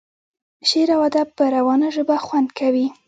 شعر او ادب په روانه ژبه خوند کوي.